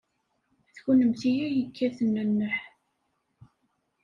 D kennemti ay yekkaten nneḥ.